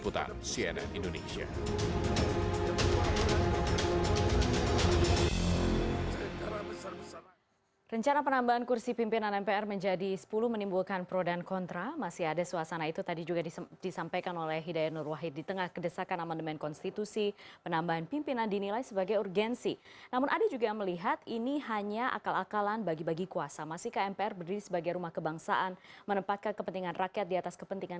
tim liputan cnn indonesia